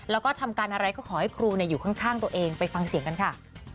แล้วก็ทำการอะไรก็ขอให้ครูอยู่ข้างตัวเองไปฟังเสียงกันค่ะ